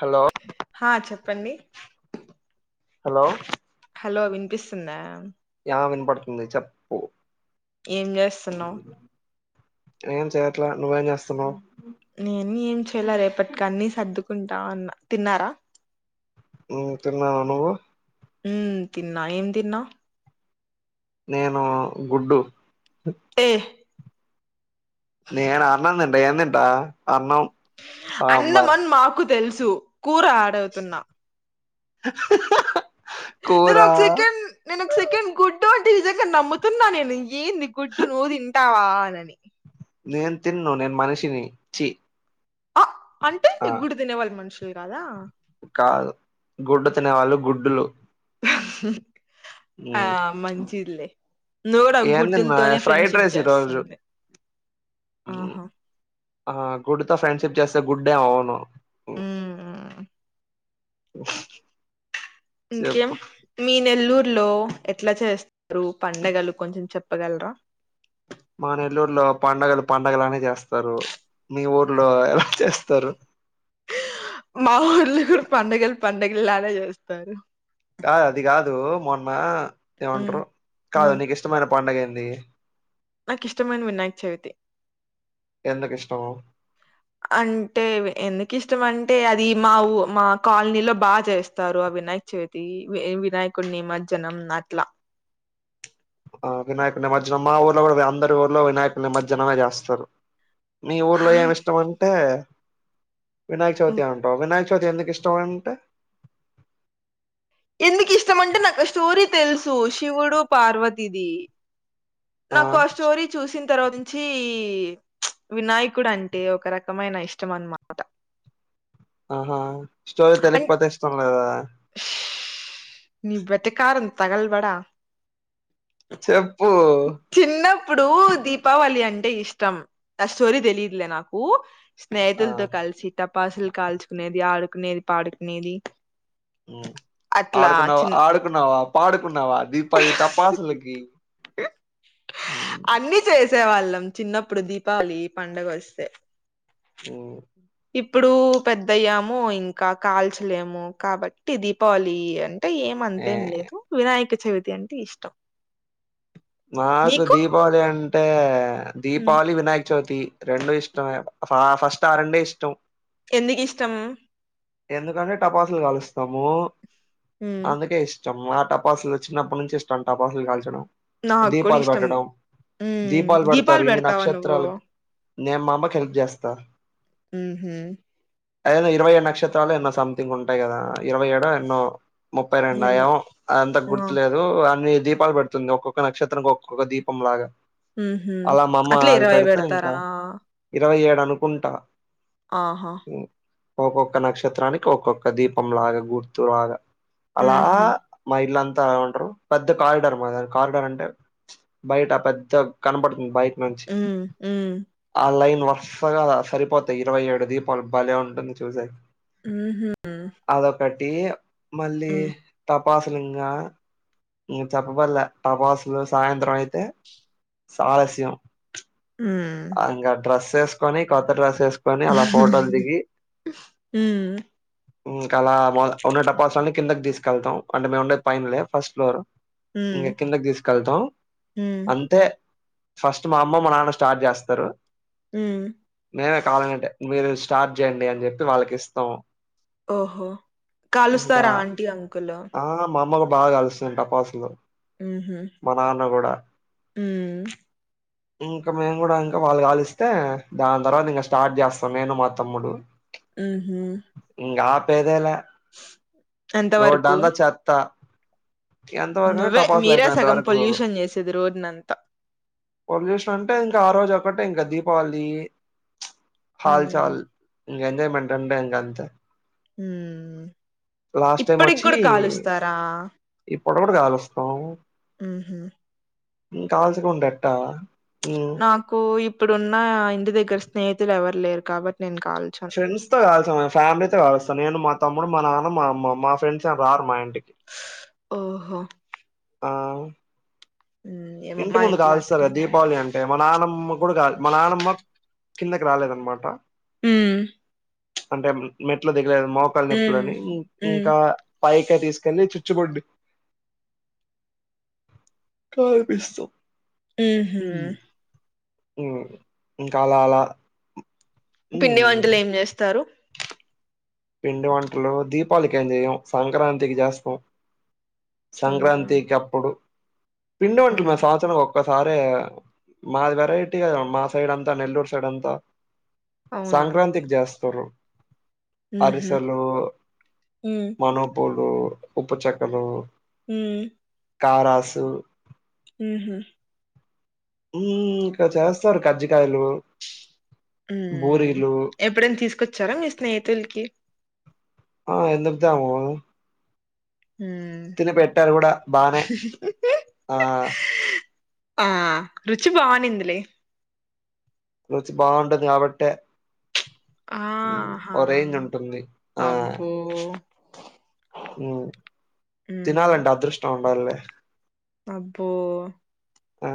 Hello హా చెప్పండి hello hello వినిపిస్తుందా ఆ వినపడుతుంది చెప్పు ఏం చేస్తున్నవ్ ఏం చేయట్ల నువ్వేం చేస్తున్నావ్ నేను ఏం రేపటికి అన్ని సర్దుకుంటా ఉన్న తిన్నార తిన్నాను నువ్వు ఉ తిన్నా ఏం తిన్నావ్ నేను గుడ్డు ఏ నేను అన్నం తింట ఏం తింటా అన్నం సాంబార్ అన్నమని మాకు తెలుసు కూర ఆడవగుతున్నా హా హా నేను ఒక సెకండ్ నేను ఒక సెకండ్ గుడ్డు అంటే నిజంగా నమ్ముతున్నా నేను ఏంది గుడ్డు నువ్వు తింటావా అని నేను తినను నేను మనిషిని చి ఆ అంటే నీ ఆ గుడ్డు తినేవాళ్లు మనుషులు కాదా కాదు గుడ్డు తినేవాళ్ళు గుడ్డులు ఆ మంచిద్లె ఏందిన్న ఫ్రైడ్ రైస్ ఈ రోజు చేస్తుంది ఆహా ఆ గుడ్డు తో ఫ్రెండ్షిప్ చేస్తే గుడ్ హే అవును ఉమ్ ఇంకేం చెప్పు మీ నెల్లూర్ లో ఎట్ల చేస్తరు పండగలు కొంచెం చెప్పగలరా మా నెల్లూరులో పండుగలు పండగలానే చేస్తారు మీ ఊర్లో ఎలా చేస్తరు మా ఊర్లో కూడ పండగలు పడుగల్లానే చేస్తారు కాదు అది కాదు మొన్న ఉమ్ ఏమంటరు కాదు ఉమ్ నీకు ఇష్టమైన పండగ ఏంది నాకు ఇష్టమైన వినాయక చవితి ఎందుకు ఇష్టం అంటే ఎందుకు ఇష్టం అంటే అది మా ఊ మా కాలనీలో బాగా చేస్తారు ఆ వినాయక చవితి వినాయకుడిని నిమజనం అట్లా ఆ వినాయకు నిమజ్జనం మా ఊర్లో కూడ అందరి ఊర్లో వినాయకుల నిమజ్జనమే చేస్తారు మీ ఊర్లో ఏమి ఇష్టం అంటే వినాయక చవితి అంటావ్ వినాయక చవితి ఎందుకు ఇష్టం అంటే ఎందుకు ఇష్టం అంటే నాకు స్టోరీ తెలుసు శివుడు పార్వతిది నాకు ఆ స్టోరీ చూసిన తర్వాత్నుంచి వినాయకుడు అంటే ఒక రకమైన ఇష్టం అనమాట ఆహా స్టోరీ తెలికపోతే ఇష్టం లేదా? ష్ నీ వెటకారం తగల్బడా చెప్పు చిన్నప్పుడు దీపావళి అంట్ అంటే ఇష్టం ఆ స్టోరీ తెలీదులే నాకు ఆ స్నేహితులతో కలిసి తప్ పాసులు కాల్చుకునేది ఆడుకునేది పాడుకునేది ఉమ్ అట్లా ఆడుకున్నావా చిన్ ఆడుకున్నావా పాడుకున్నావా దీపాళి టపాసల్ కి అన్నీ చేస్ సేవాళ్ళం చిన్నప్పుడు దీపావళి పండగ వొస్తే ఉమ్ ఇప్పుడు పెద్దయ్యాము ఇంకా కాల్చలేము కాబట్టి దీపావళి అంట్ టే ఏం ఏ అంతేం లేదు వినాయక చవితి అంటే ఇష్టం మాకు నీకు దీపావళి అంటే మ్. దీపావళి వినాయక చవితి రెండూ ఇష్టమే ఫా ఫస్ట్ ఆరండే ఇష్టం ఎందుకు ఇష్టం? ఎందుకంటే టపాసులు కాలుస్తాము మ్. అందుకే ఇష్ మా టపాసులు వచ్చినప్పట్నుంచి ఇష్టం టపాసులు కాల్చడం నాకు కూడా దీపాలు ఇష్టం పెట్టడం, హ్మ్ దీపాలు పెడతారు ఇన్ని పెడతావా నువ్వు నక్షత్రాలకి నేమామ్మకు హెల్ప్ జేస్తా ఊహు అదెదో ఇరవై ఏడు నక్షత్రాలు ఎన్నో సంథింగ్ ఉంటాయి కదా ఇరవై ఏడో ఎన్నో ముప్పై రెండా ఏమో అదంతా ఆ గుర్తులేదు అన్ని దీపాలు పెడుతుంది ఒక్కొక్క నక్షత్ ఒక్కొక్క దీపం లాగా ఊహూ అలా మా అమ్మ అట్లే అది ఇరవై పెడితే ఇంకా పెడతారా ఇరవై ఏడు అనుకుంటా ఆహ ఒక్కొక్క నక్షత్రానికి ఒక్కొక్క దీపంలాగా గుర్తులాగా అలా ఊహూ మా ఇళ్లం ఉంటారు పెద్ద కారిడార్ మాదా కారిడార్ అంటే ప్చ్ అంటే బయట పెద్ద కనపడుతుంది బై ఉమ్ ఉమ్ వర్సగా సరిపోతాయి ఇరవై ఏడు దీపాలు భలే ఉంటుంది చూసేకి ఊహు ట్టి మళ్ళీ టపాసులు ఇంగా ఇక చెప్పబల్లే టపాస్ ఇగ సాయంత్రం అయితే సాలస్యం హ్మ్ ఆ ఇంకా డ్రస్ వేసుకని కొత్త డ్రెస్ వేస్ కొని అలా ఫోటోలు దిగి హ్మ్ ఉమ్ ఇంకా ఉన్న టపాస్లన్ని కిందకి తీసుకెళ్తాం అంటే మేము ఉండేది పైన్లే ఫస్ట్ ఫ్లోరు హ్మ్ ఇంగ కిందకి తీసుకెళ్తాం హ్మ్ అంతే ఫస్ట్ మా అమ్మ మా నాన్న స్ స్టార్ట్ చేస్తారు హ్మ్ నేనే కాలనింటే మీరు స్టా స్టార్ట్ చెయ్యండి అని జెప్పి వాళ్ళకి ఇస్తాం ఓహో ఇంకా కాలుస్తారా ఆంటీ, అంకుల్ ఆ మా అమ్మ కూడా బాగా కాలుస్తాం టపాసులు ఊహు మా నాన్న ఉమ్ ఊ ఇంకా మేము కూడా ఇంకా వాళ్ళు కాలిస్తే దాన్తర్వాత ఇంకా స్టార్ట్ చేస్తాం నేను మా తమ్ముడు ఊహు ఇంగ ఆపేదేలే ఎంత వరకు రోడ్డంతా చెత్త ఎంత వరకు నువ్వే టపాస్లు మీరే ఐపోయంత సగం వరకు పొల్యూషన్ చేసేది రోడ్నంతా పొల్యూషన్ అంటే ఇంకా ఆ రోజు ఒక్కటే ఇంకా దీపావళి చ్ హాల్ హ్మ్ చాల్ ఇంగ ఎంజాయ్మెంట్ అంటే ఇంగ అంతే హ్మ్ లాస్ట్ టైమ్ ఇప్పటికి వచ్చి కూడా కాలుస్తారా ఈ పుట పుట కాలుస్తం హు హమ్ ఉం కాల్చకుండ ఎట్ట చ్ నాకు ఇప్పుడున్న ఇంటి దగ్గర స్నేహితులు ఎవరు లేరు కాబట్టి నేను కాల్చను ఫ్రెండ్స్ తో కాల్చం ఫ్యామిలీతో కాలుస్త నేను మా తమ్ మా నాన్న మా అమ్మ మా ఫ్రెండ్స్ ఏ రారు మా ఇంటికి ఓహో ఆ హ్మ్. ఏమో ఇంటి మా ముందు ఇంట్లో కాలుస్తారు గా అట్లుంది దీపావళి అంటే మా నానమ్మ కూడా కా మా నానమ్మ కిందకి రాలేదన్నమాట ఉం చ్ అంటే మెట్లు దిగలేదు మోకాలు ఉమ్ నొప్పులని ఉమ్ ఇంకా పైకే తీసుకెళ్లి చు చేపండి కాల్పిస్తం హూ హమ్ ఉం ఇంకా అలా అలా పిండి మ్మ్ వంటలు ఏం చేస్తారు పిండి వంటలు దీపావలికి ఏమ్ జేయం సంక్రాంతికి చేస్తాం సంక్రాంతి కప్పుడు పిండి వంటలు ఉమ్ మరీ సంవత్సరానికి ఒక ఒకసారే మాది వెరైటీ కదా మా సైడ్ అంతా నెల్లూరు సైడ్ అంతా అవునా సంక్రాంతికి చేస్తారు ఉహు అరిసెలు ఉమ్ మనపూలు ఉప్పు చెక్కలు ఉం కారాసు వు హుమ్ ఉమ్ ఇంకా చేస్తారు కర్జ కాయలు ఉమ్ ఎప్పుడైనా తీసుకొచ్చారా మీ స్నేహితులకి ఆ ఎందుకు తేము ఉమ్ తిని పెట్టారు కూడా బానే ఆ ఆ రుచి బావునిందిలే రుచి బాగుంటది కాబట్టే మ్మ్ ఆహా ఓ రేంజ్ ఉంటుంది అబ్బో ఉమ్ ఉమ్ తినాలంటే అదృష్టం ఉండాల్లే అబ్బో ఆ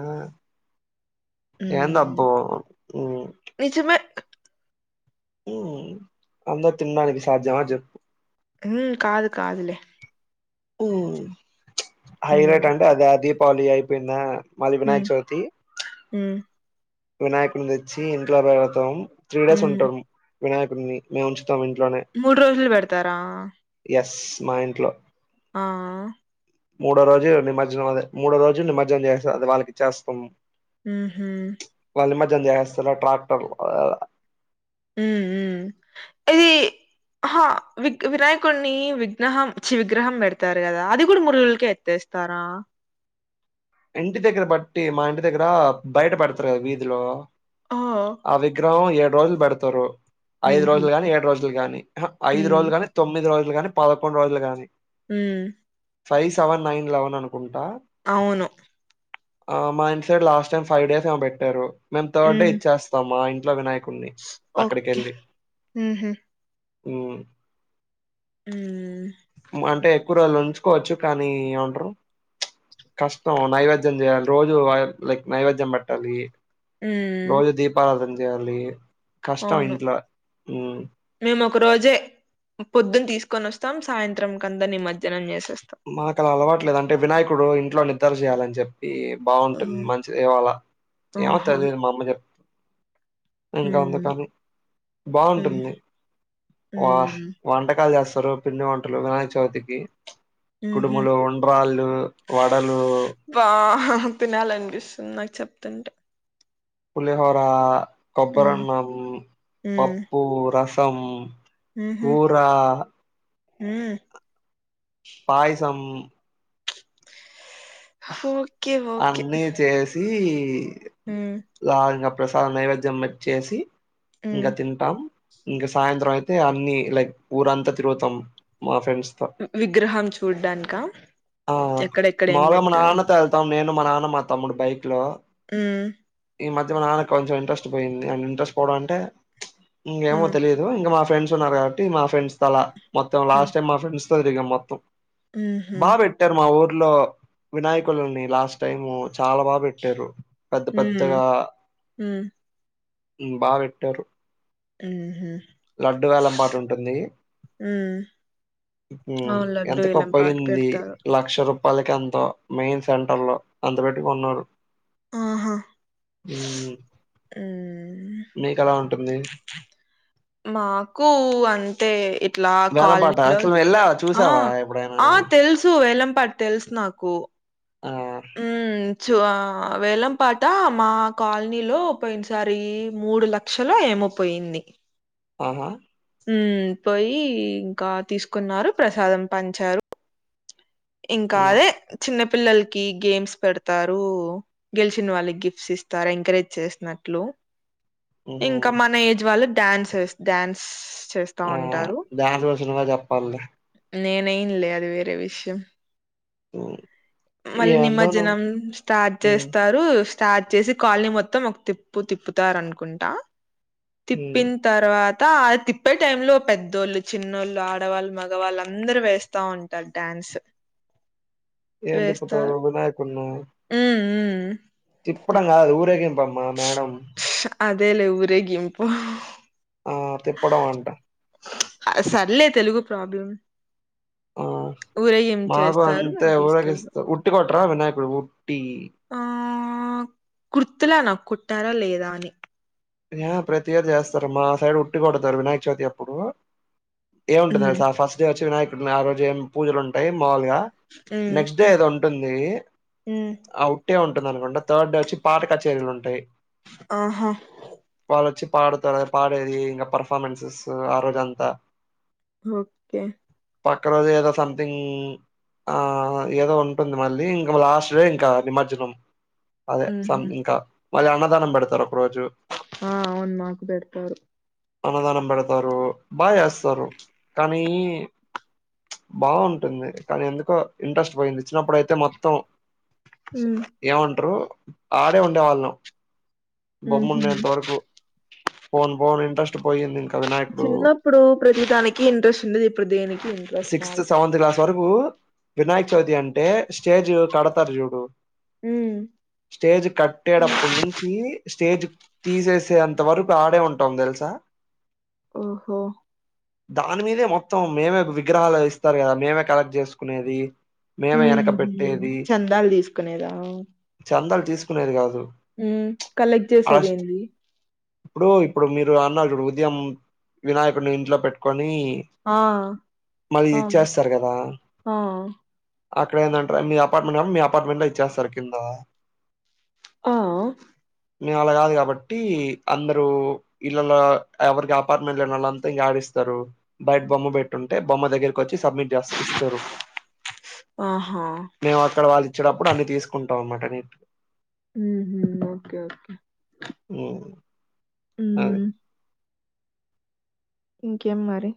హ్మ్. ఏందబ్బో ఉం నిజమే. ఉం అందరు తిండానికి సాధ్యమా చెప్పు ఉమ్ కాదు కాదులే ఉమ్ హ్మ్. హైలైట్ అంటే అదే దీపావళి అయిపోయిందా మాది వినాయక హ్మ్. చవితి హ్మ్. వినాయకుని తెచ్చి ఇంట్లో పెడతాం త్రీ డేస్ హ్మ్. ఉంటారు వినాయకుడిని మేము ఉంచ్ మొత్తం ఇంట్లోనే రోజులు పెడతారా? ఎస్ మా ఇంట్లో ఆ మూడో రోజు నిమజ్జనం అదే మూడో రోజు నిమజ్జనం చేస్త అది వాళ్ళకి ఇచేస్తాం హుహు నిమజ్జనం చేసేస్తార ట్రాక్టర్ ఉమ్ ఉమ్ ఇది ఆ విగ్ వినాయకుడిని విజ్ఞహం చి విగ్రహం పెడతారు కదా అది కూడా మురుగులకే ఎత్తేస్తారా. ఆ ఇంటి దగ్గర బట్టి మా ఇంటి దగ్గర బయటపడతారు కదా వీధిలో. ఓహ్! ఆ విగ్రహం ఏడు రోజులు బెడతారు. ఐదు హుహు. రోజులు గాని ఏడు రోజులు గానీ ఆహా ఐదు హ్మ్. రోజులు గాని తొమ్మిది రోజులు గాని పదకొండు రోజులు గాని. హ్మ్ ఫైవ్ సెవన్ నైన్ లెవన్ అను అవును ఆ మా ఇంటి side last time five days ఏమో పెట్టారు మేము థర్డ్ డే హ్మ్. ఇచ్చేస్తాం మా ఇంట్లో వినాయక. కున్ని ఓకే. అక్కడికెళ్ళి హుహు. హ్మ్ హ్మ్. మా అంటే ఎక్కువ రోజులు ఉంచుకోవచ్చు కానీ ఏమంటరు కష్ట [inaudible] నైవేద్యం చేయాలి రోజు లైక్ నైవేద్యం పట్టాలి హ్మ్. రోజు దీపారాధన. చేయాలి కష్టం ఇంట్లో హ్మ్ పొద్దున్న తీసుకొని వస్తాం సాయంత్రం కంత నిమర్జనం చేస్తాం. మాకు అలా అలవాట్లేదు అంటే వినాయకుడు ఇంట్లో నిద్ర చేయాలని చెప్పి. బాగుంటుంది మ్మ్ మంచిది ఏమో అలా ఏమో ఆహా తెలియదు మా అమ్మ చెప్ ఇంకా అందుకు మ్మ్ అని మ్మ్ బాగుంటుంది వా మ్మ్ వంటకాలు చేస్తారు పిండి వంటలు వినాయక చవితికి మ్హు కుడుములు ఉండ్రాళ్ళు వడలు బా తినాలనిపిస్తుంది నాకు చెప్తుంటే పులిహోర మ్మ్ కొబ్బరన్నం మ్మ్ పప్పు రసం కూరా హూ పాయసం ఓ అన్నీ చేసి మ్మ్ లా ప్రసాదం నైవేద్యం చేసి ఇంకా మ్మ్ తింటాం. ఇంకా సాయంత్రం అయితే అన్ని లైక్ ఊరంతా తిరుగుతాం మా విగ్రహం చూడ్డానికా ఆ ఎక్కడెక్కడ ఏం మాగామ్మ పెట్టారు నాన్న త నేను మా నాన్న మా తమ్ముడు బైక్ లో హ ఈ మధ్య మా నాన్నకు కొంచెం ఇంట్రెస్ట్ పోయింది ఇంట్రెస్ట్ పోవడం అంటే ఇంకేమో మ్మ్ తెలియదు ఇంకా ఏమో తెలియదు మా ఫ్రెండ్స్ ఉన్నారు కాబట్టి మా ఫ్రెండ్స్ తల మొత్తం మ్మ్ లాస్ట్ టైమ్ మా ఫ్రెండ్స్ తో తిరిగాం మొత్తం. మ్హు బా పెట్టారు మా ఊర్లో వినాయకులని. లాస్ట్ టైము చాలా బాగా పెట్టారు పెద్ద పెద్దగా మ్మ్ మ్మ్ బా పెట్టారు మ్హు లడ్డు వేలం పాటు ఉంటుంది. మ్మ్ అవును లడ్డూ ఎంతకో వేలం పాట పోయింది పెడతారు లక్ష రూపా [unintelligible] మెయిన్ సెంటర్ లో అంత పెట్టి కొన్నారు. ఆహా ఉ ఊ నీకు అలాన్ మాకు అంతే ఇట్లా వేలం పాట కాలనీలో అసలు వెళ్ళావా? ఆ చూసావా ఎప్పుడైనా? ఆ తెలుసు ఏలంపాట్ తెలుసు నాకు ఆ! ఊ చ వేలం పాట మా కాలనీలో పోయినసారి మూడు లక్షలు ఏం మో పోయింది ఆహా ఉ పోయి ఇంకా తీసుకున్నారు ప్రసాదం పంచారు ఇంకా హ్మ్. అదే చిన్న పిల్లలకి గేమ్స్ పెడతారు గెలిచిన వాళ్ళకి గిఫ్ట్స్ ఇస్తారు ఎంకరేజ్ చేసినట్లు హుహు. ఇంక మన ఏజ్ వాళ్ళు డ్యాన్సర్స్ డ్యాన్స్ ఆ డాన్స్ గురించి నువ్వే చెప్పాలి నేనెయ్యనులే అది వేరే విషయం ఓ మళ్ళీ నిమ్మజ్జనం స్టార్ట్ హ్మ్ చేస్తారుస్ స్టార్ట్ చేసి కాల్నీ మొత్తం ఒక తిప్పు తిప్పుతారు అనుకుంటా హ్మ్ తిప్పిన్ తర్వాత తా తిప్పే టైం లో పెద్దోళ్ళు చిన్నోళ్ళు ఆడవాళ్ళు మొగవాళ్ళు అందరు వేస్తా ఉంటారు డ్యాన్ స్ ఏం దిప్పుతారు వినాయకున్ను ఉమ్ ఉమ్ తిప్పడం కాదు అది ఊరేగింపమ్మ మేడం అదేలే ఊరేగింపు ఆ తిప్పడం అంట ఆ సర్లే తెలుగు ప్రాబ్లం ఆ ఊరేగింపు మాకు చేస్తారు అంతే మళ్ళీ తీసుకెళ్ళిపోతారు ఊరేగిస్తే ఉట్టి కొట్రా వినాయకుడు టీ ఆ గుర్తులా నాక్ కొట్టారా లేదా అని యా ప్రతి ఏడు చేస్తారు మా సైడ్ ఉట్టి కొడతారు వినాయక చవితి అప్పుడు ఏమింటుంది ఉమ్ తెలుస ఆ ఫస్ట్ డే వచ్చి వినాయకుడిని ఆ రోజు ఏం పూజలు ఉంటాయి మావులుగా నెక్స్ట్ డే ఏదో ఉంటుంది ఊ టె ఉంటుంది అనుకోండి థర్డ్ డే వచ్చి పాట కచరీలు ఉంటాయి ఆహా వాళ్ళు వచ్చి పాడుతారు పాడేది ఇంకా పర్ఫార్మెన్సెస్ ఆ రోజు అంతా ఓకే పక్క రోజు ఏదో సంథింగ్ ఆ ఏదో ఉంటుంది మళ్ళీ ఇంకా లాస్ట్ డే ఇంకా నిమజ్జనం అదే సం ఉహు ఇంకా మళ్ళీ అన్నదానం పెడతారు ఒక రోజు ఆ అవును మాకు పెడతారు అన్నదానం పెడతారు బాగా చేస్తారు కానీ బాగుంటుంది కానీ ఎందుకో ఇంట్రెస్ట్ పోయింది చిన్నప్పుడయితే మొత్తం ఉమ్ ఏమంటరు ఆడే ఉండే వాళ్ళం బొమ్మ ఉహు ఉండేం తొరకు పోన్ పోన్ ఇంట్రెస్ట్ పోయింది ఇంక వినాయకుడు చిన్నప్పుడు ప్రతి దానికి ఇంట్రెస్ట్ ఉండేది ఇప్పుడు దేనికి ఇంట్రెస్ట్ సిక్స్త్ రాలే సెవెంత్ క్లాస్ వరకు వినాయక చవితి అంటే స్టేజ్ కడతారు చూడు స్టేజ్ కట్టేటప్పుడు నుంచి స్టేజ్ తీసేసే అంత వరకు ఆడే ఉంటాం తెలుసా ఓహో దాని మీదే మొత్తం మేమే విగ్రహాలు ఇస్తారు కదా మేమే కలెక్ట్ చేసుకునేది మేమే ఎనక ఉహు పెట్టేది చందాలు తీసుకునేదా చందాలు తీసుకునేది కాదు ఉమ్మ్ కలెక్ట్ అలా చేసేది ఏంది ఇప్పుడు ఇప్పుడు మీరు అన్నారు చూడు ఉదయం వినాయకుడిని ఇంట్లో పెట్టుకో ని ఆ మరి ఆ ఇచ్చేస్తారు కదా ఆ అక్కడ ఏందంటరు మీ అపార్ట్మెంట్ కాబట్టి మీ అపార్ట్మెంట్లో ఇచ్చేస్తారు కింద ఆ మేము అలా కాదు కాబ ట్టి అందరు ఇల్లలో ఎవరికి అపార్మెంట్ లేనోళ్ళంతా ఇంక యడిస్తారు బ బొమ పెట్టుంటే బొమ్మ దగ్గరి కోచ్చి సబ్ట్మిట్ చేస్తా ఇస్తారు ఆహా మేం అక్కడ వాళ్ళు ఇచ్చే టప్పుడు అన్ని తీసుకుంటాం అన్నమాట నీటుగా మ్మ్ఉహ్మ్ ఓకే ఓకే ఉమ్మ్ అదే ఉమ్ ఇంకేం మరి